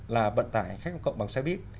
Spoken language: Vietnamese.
là vận tải khéo cộng bằng xe bíp